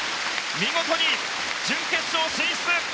見事に準決勝進出。